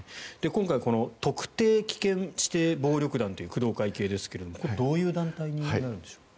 今回、特定危険指定暴力団という工藤会系ですがこれはどういう団体なんでしょうか。